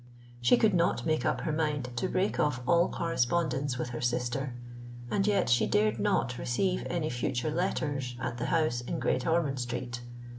She could not make up her mind to break off all correspondence with her sister; and yet she dared not receive any future letters at the house in Great Ormond Street.